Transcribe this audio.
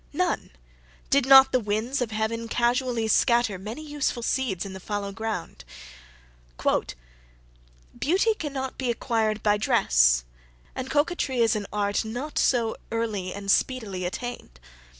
None did not the winds of heaven casually scatter many useful seeds in the fallow ground. "Beauty cannot be acquired by dress, and coquetry is an art not so early and speedily attained.